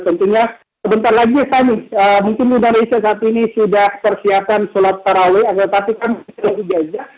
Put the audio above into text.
tentunya sebentar lagi fani mungkin indonesia saat ini sudah persiapkan sholat taraweeh agar tetapkan ke wilayah gaza